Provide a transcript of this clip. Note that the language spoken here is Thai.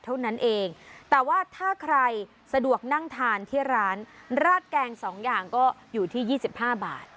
เท่านั้นเองแต่ว่าถ้าใครสะดวกนั่งทานที่ร้านราดแกง๒อย่างก็อยู่ที่๒๕บาท